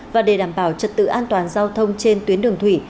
và để đảm bảo trật tự an toàn giao thông trên tuyến đường thủy